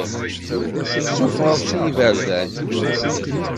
Tessufɣeḍ-tt i yiberdan.